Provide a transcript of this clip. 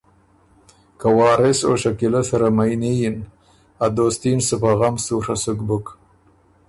که وارث او شکیلۀ سره مئني یِن ا دوستي ن سُو په غم سُوڒه سُک بُک